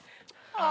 あ。